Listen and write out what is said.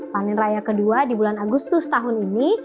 panen raya kedua di bulan agustus tahun ini